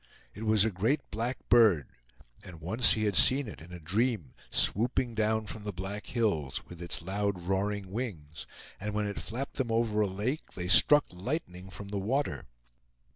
It was a great black bird; and once he had seen it, in a dream, swooping down from the Black Hills, with its loud roaring wings; and when it flapped them over a lake, they struck lightning from the water.